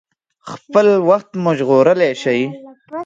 خپل وخت مو ژغورلی شئ.